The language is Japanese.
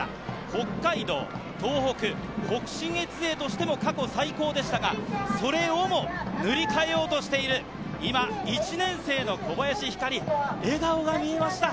北海道、東北、北信越勢としても過去最高でしたが、それをも、塗り替えようとしている今１年生の小林日香莉、笑顔が見えました。